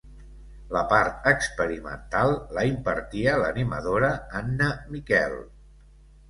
La part experimental la impartia l'animadora Anna Miquel.